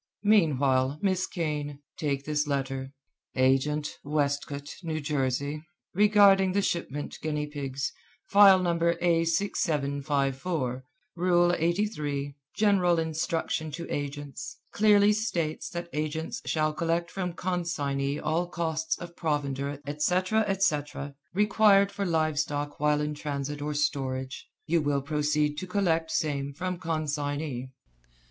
Meanwhile, Miss Kane, take this letter: Agent, Westcote, N. J. Regarding shipment guinea pigs, File No. A6754. Rule 83, General Instruction to Agents, clearly states that agents shall collect from consignee all costs of provender, etc., etc., required for live stock while in transit or storage. You will proceed to collect same from consignee."